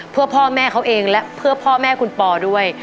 เพื่อพ่อแม่เขาเองและเพื่อพ่อแม่คุณปอด้วย